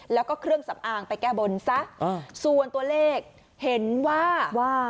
แล้วก็เครื่องสำอางไปแก้บนซะส่วนตัวเลขเห็นว่าว่า